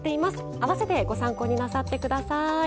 併せてご参考になさって下さい。